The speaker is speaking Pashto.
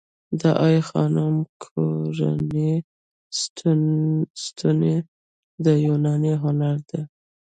د آی خانم کورینتی ستونې د یوناني هنر دي